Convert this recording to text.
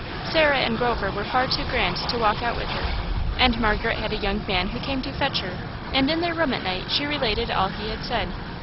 Sarah and Grover were far too grand to walk out with her; and Margaret had a young man who came to fetch her, and in their room at night she related all he had said.